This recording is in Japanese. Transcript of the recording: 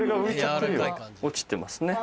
落ちてますね。